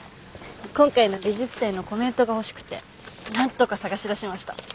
今回の美術展のコメントが欲しくてなんとか捜し出しました。